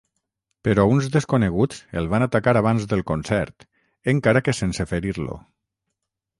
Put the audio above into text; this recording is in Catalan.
Però uns desconeguts el van atacar abans del concert, encara que sense ferir-lo.